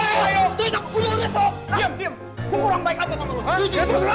gue kurang baik aja sama lo